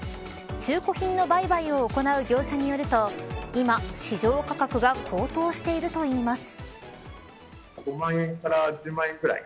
中古品の売買を行う業者によると今、市場価格が高騰しているといいます。